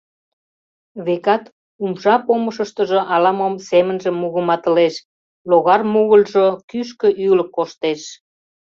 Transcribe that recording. Векат, умша помышыштыжо ала-мом семынже мугыматылеш — логар мугыльыжо кӱшкӧ-ӱлык коштеш.